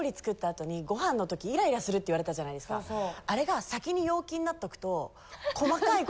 あれが先に陽気になっとくと。